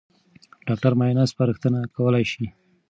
ډاکټر معاینه سپارښتنه کولای شي.